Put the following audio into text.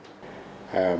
mục tiêu chính